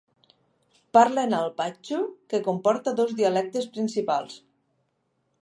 Parlen el paixtu, que comporta dos dialectes principals.